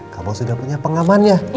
kamu sudah punya pengamannya